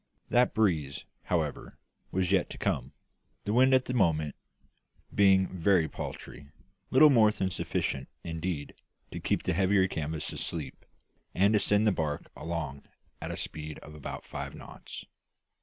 That breeze, however, was yet to come; the wind at the moment being very paltry little more than sufficient, indeed, to keep the heavier canvas "asleep," and to send the barque along at a speed of about five knots.